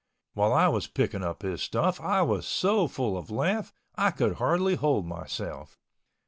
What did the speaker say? While I was picking up his stuff I was so full of laugh I could hardly hold myself.